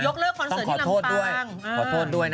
ยกเลิกคอนเซิร์ตที่ลำปางต้องขอโทษด้วย